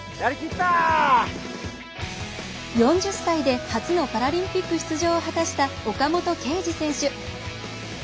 ４０歳で初のパラリンピック出場を果たした岡本圭司選手。